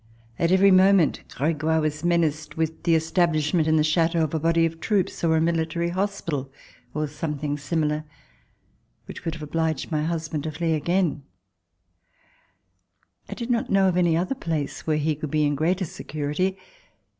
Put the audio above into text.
At every moment Gregoire was menaced with the establish ment in the Chateau of a body of troops, or a military hospital, or something similar, which would have obliged my husband to flee again. C163] RECOLLECTIONS OF THE REVOLUTION I did not know of any other place where he could be in greater security.